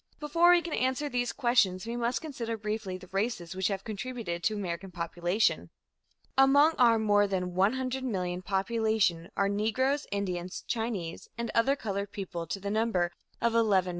Before we can answer these questions, we must consider briefly the races which have contributed to American population. Among our more than 100,000,000 population are Negroes, Indians, Chinese and other colored people to the number of 11,000,000.